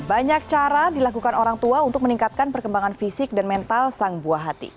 banyak cara dilakukan orang tua untuk meningkatkan perkembangan fisik dan mental sang buah hati